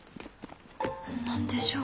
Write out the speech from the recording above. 何でしょう？